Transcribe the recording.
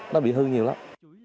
nó bị hư nhiều lắm